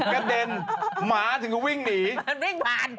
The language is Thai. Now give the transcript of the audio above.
กระเด็นหมาถึงก็วิ่งหนีมันวิ่งผ่าน